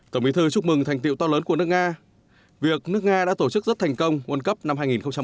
tổng bí thư chúc mừng thành tiệu to lớn của nước nga việc nước nga đã tổ chức rất thành công quân cấp năm hai nghìn một mươi tám